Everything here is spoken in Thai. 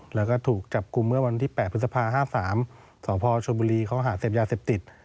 แล้วก็ถูกจับกลุ่มเมื่อวันที่๘พฤษภา๕๓สพชนบุรีเขาหาเสพยาเสพติด